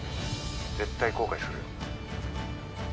絶対後悔するよ